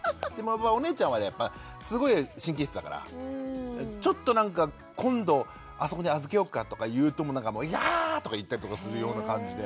お姉ちゃんはやっぱりすごい神経質だからちょっとなんか今度あそこに預けようかとか言うといや！とか言ったりとかするような感じで。